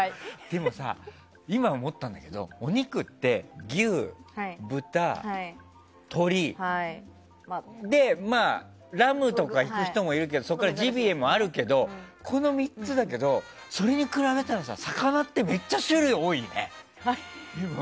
でもさ、今思ったんだけどお肉って、牛、豚、鶏ラムとかいく人もいるけどそこからジビエもあるけどこの３つだけどそれに比べたらさ魚ってめっちゃ種類多いね。